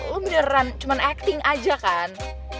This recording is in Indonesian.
lo beneran cuman acting aja kan